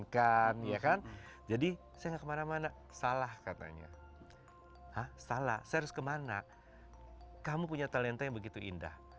kan jadi saya kemana mana salah katanya salah saya harus kemana kamu punya talenta yang begitu indah